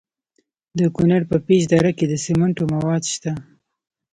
د کونړ په پیچ دره کې د سمنټو مواد شته.